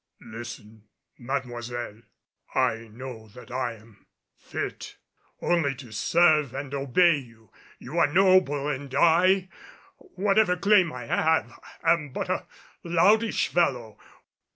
"Listen, Mademoiselle. I know that I am fit only to serve and obey you. You are noble and I whatever claim I have am but a loutish fellow.